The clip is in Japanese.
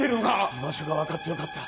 居場所が分かってよかった